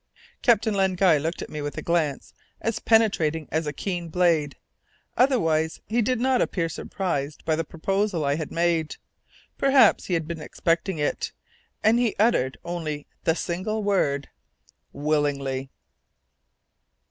Captain Len Guy looked at me with a glance as penetrating as a keen blade. Otherwise he did not appear surprised by the proposal I had made; perhaps he had been expecting it and he uttered only the single word: "Willingly."